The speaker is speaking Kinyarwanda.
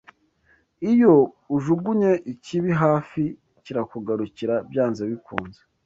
iyo ujugunye ikibi hafi kirakugarukira byanze bikunze